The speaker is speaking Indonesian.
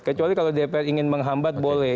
kecuali kalau dpr ingin menghambat boleh